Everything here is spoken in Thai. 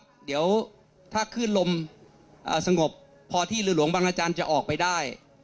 ถ้าเกิดคลื่นลมประมงสงบพอที่เรือหลวงบางร์จะออกไปได้